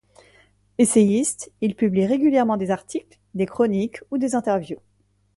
Essayiste, il publie régulièrement des articles, des chroniques ou des interviews.